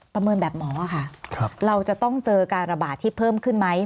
เหมือนแบบหมอค่ะเราจะต้องเจอการระบาดที่เพิ่มขึ้นไหม